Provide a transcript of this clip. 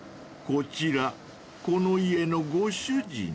［こちらこの家のご主人］